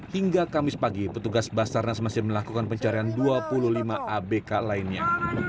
hingga kamis pagi petugas basarnas masih melakukan pencarian dua puluh lima abk lainnya